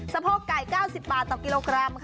สะโพกไก่๙๐บาทโกรกรัม